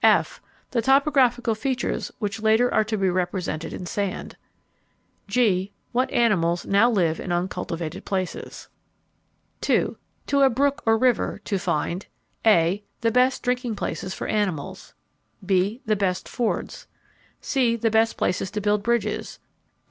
(f) The topographical features which later are to be represented in sand. (g) What animals now live in uncultivated places. 2. To a brook or river to find (a) The best drinking places for animals. (b) The best fords. (c) The best places to build bridges.